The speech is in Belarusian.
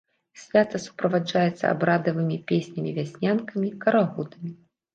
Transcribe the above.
Свята суправаджаецца абрадавымі песнямі-вяснянкамі, карагодамі.